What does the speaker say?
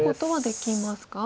できます。